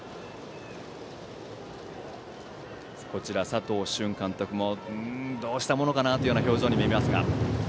佐藤俊監督もどうしたものかなという表情に見えますが。